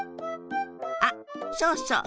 あっそうそう。